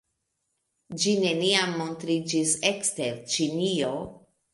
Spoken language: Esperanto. Ĝi neniam montriĝis ekster Ĉinio.